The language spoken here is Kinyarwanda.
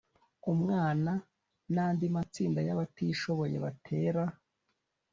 umwana n andi matsinda y abatishoboye batera